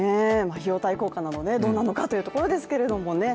費用対効果などがどうなのかというところですけどもね。